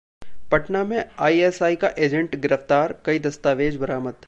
पटना में आईएसआई का एजेंट गिरफ्तार, कई दस्तावेज बरामद